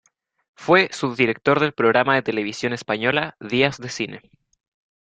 Fue subdirector del programa de Televisión Española "Días de cine".